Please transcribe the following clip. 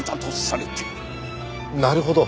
なるほど。